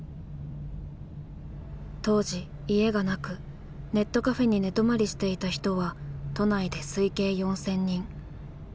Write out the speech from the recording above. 当時家がなくネットカフェに寝泊まりしていた人は都内で推計４，０００人。